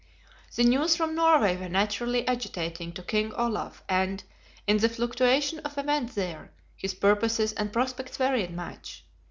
The news from Norway were naturally agitating to King Olaf and, in the fluctuation of events there, his purposes and prospects varied much.